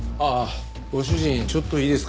主人ちょっといいですか？